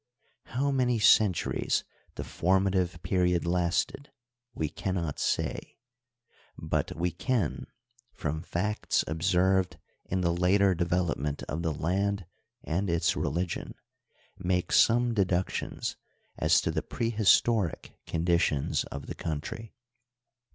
How many centuries the formative period lasted we can not say, but we can, from facts observed in the later development of the land and its religion, make some deductions as to the prehistoric conditions of the country.